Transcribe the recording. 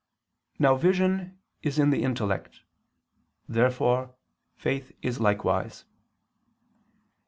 Now vision is in the intellect. Therefore faith is likewise.